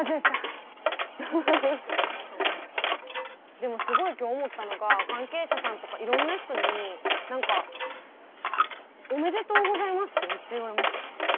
でもすごい今日思ったのが関係者さんとかいろんな人に何かおめでとうございますってめっちゃ言われましたよ。